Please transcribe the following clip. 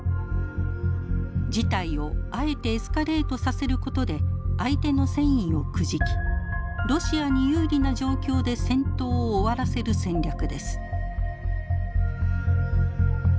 事態をあえてエスカレートさせることで相手の戦意をくじきロシアに有利な状況で戦闘を終わらせる戦略です。